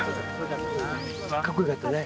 かっこよかったね。